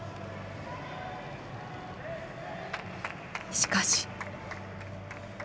しかし。